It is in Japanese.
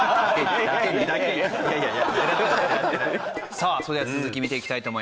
さあそれでは続き見ていきたいと思います。